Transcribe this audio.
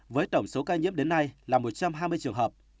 với tổng số ca nhiễm đến nay là một trăm hai mươi trường hợp